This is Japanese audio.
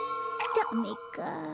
ダメか。